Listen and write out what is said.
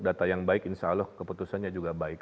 data yang baik insya allah keputusannya juga baik